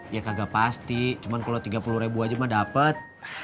ya kagak pasti cuma kalau tiga puluh ribu aja mah dapat